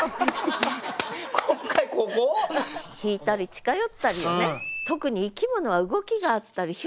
今回ここ？引いたり近寄ったりよね。